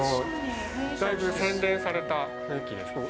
だいぶ洗練された雰囲気です。